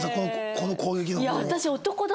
この攻撃の方法。